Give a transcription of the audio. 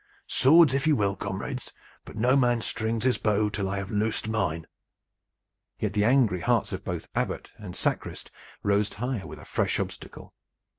"Swords, if you will, comrades, but no man strings his bow till I have loosed mine." Yet the angry hearts of both Abbot and sacrist rose higher with a fresh obstacle.